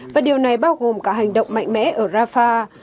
và điều này bao gồm cả hành động mạnh mẽ ở rafah